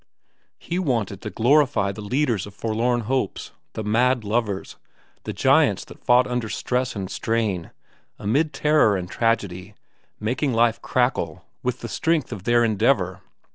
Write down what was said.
He wanted to glorify the leaders of forlorn hopes, the mad lovers, the giants that fought under stress and strain, amid terror and tragedy, making life crackle with the strength of their endeavor.